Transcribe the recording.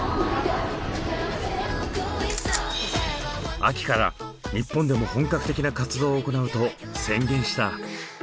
秋から日本でも本格的な活動を行うと宣言した。